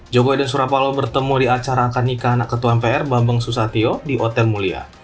jokowi dan surapalo bertemu di acara akad nikah anak ketua mpr bambang susatyo di hotel mulia